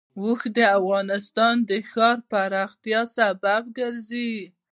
اوښ د افغانستان د ښاري پراختیا سبب کېږي.